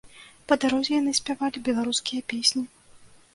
Па дарозе яны спявалі беларускія песні.